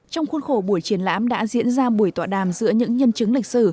trong khuôn khổ buổi triển lãm đã diễn ra buổi tọa đàm giữa những nhân chứng lịch sử